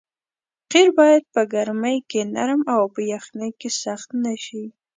قیر باید په ګرمۍ کې نرم او په یخنۍ کې سخت نه شي